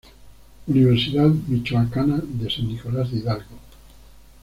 Universidad Michoacana de San Nicolás de Hidalgo